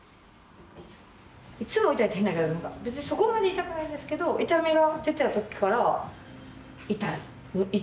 いつも痛いって変な言い方別にそこまで痛くないんですけど痛みが出ている時から痛い。